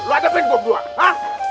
lu ada prik gua berdua ha